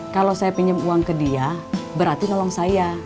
kalau saya pinjam uang ke dia berarti nolong saya